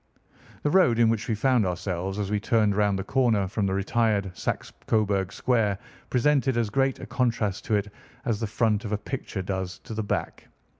The road in which we found ourselves as we turned round the corner from the retired Saxe Coburg Square presented as great a contrast to it as the front of a picture does to the back.